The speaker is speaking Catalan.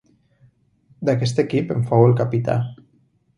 D'aquest equip en fou el capità.